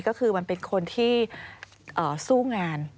ก็คือมันเป็นคนที่สู้งาน